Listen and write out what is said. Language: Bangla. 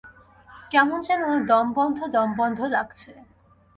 কেমন যেন দম-বন্ধ দম-বন্ধ লাগছে।